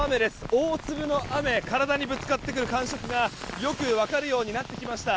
大粒の雨体にぶつかってくる感触がよく分かるようになってきました。